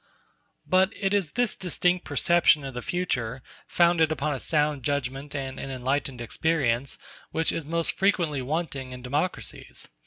But it is this distinct perception of the future, founded upon a sound judgment and an enlightened experience, which is most frequently wanting in democracies.